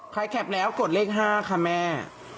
ใครแข็บแล้วกดเลข๕ค่ะแม่